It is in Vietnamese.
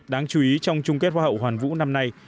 đáng chú ý trong chung kết hoa hậu hoàn vũ năm nay